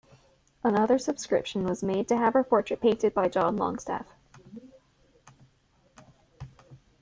Another subscription was made to have her portrait painted by John Longstaff.